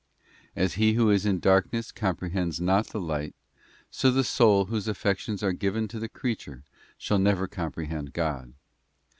And as he who is in darkness comprehends cmap. not the light, so the soul whose affections are given to the creature shall never comprehend God.